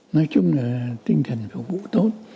nói chung là tinh thần phục vụ tốt